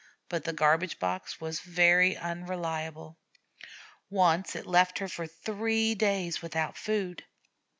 But the garbage box was very unreliable. Once it left her for three days without food.